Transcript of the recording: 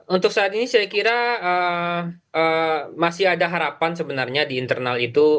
untuk saat ini saya kira masih ada harapan sebenarnya di internal itu